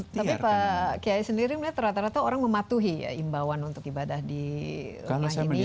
tapi pak kiai sendiri melihat rata rata orang mematuhi ya imbauan untuk ibadah di rumah ini